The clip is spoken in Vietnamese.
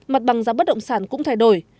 mặt bằng giá bất động sản cũng thay đổi